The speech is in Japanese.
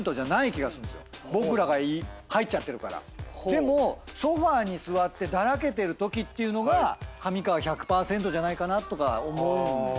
でもソファに座ってだらけてるときっていうのが上川１００％じゃないかなとか思うんですよ。